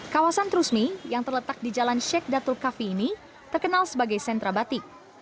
kawasan trusmi yang terletak di jalan sheikh datul kafi ini terkenal sebagai sentra batik